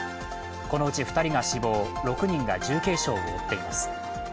このうち２人が死亡６人が重軽傷を負っています。